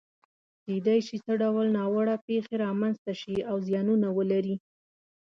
کېدای شي څه ډول ناوړه پېښې رامنځته شي او زیانونه ولري؟